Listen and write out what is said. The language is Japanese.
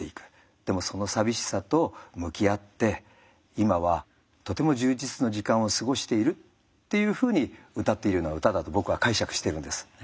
でもその寂しさと向き合って今はとても充実の時間を過ごしているっていうふうにうたっているような歌だと僕は解釈してるんです。